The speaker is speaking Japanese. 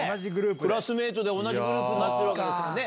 クラスメイトで同じグループになってるわけですもんね。